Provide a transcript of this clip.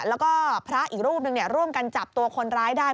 แล้วก็พระอีกรูปหนึ่งร่วมกันจับตัวคนร้ายได้